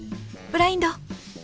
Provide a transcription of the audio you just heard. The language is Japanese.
［ブラインド！］